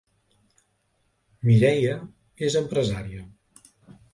Mireia és empresària